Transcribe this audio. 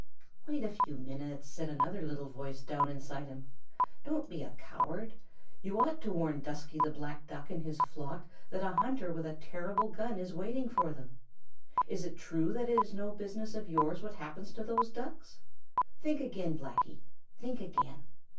"Wait a few minutes," said another little voice down inside him. "Don't be a coward. You ought to warn Dusky the Black Duck and his flock that a hunter with a terrible gun is waiting for them. Is it true that it is no business of yours what happens to those Ducks? Think again, Blacky; think again.